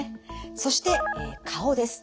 そして顔です。